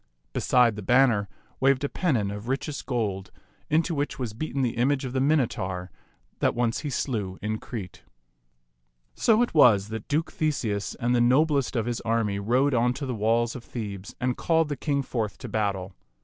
Beside the banner waved a pennon of richest gold, into which was beaten the image of the Minotaur that once he slew in Crete. So it was that Duke Theseus and the noblest of his army rode on to the walls of Thebes and called the king forth to battle.